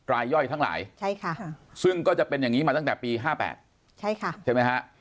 ย่อยทั้งหลายซึ่งก็จะเป็นอย่างนี้มาตั้งแต่ปี๕๘ใช่ไหมฮะ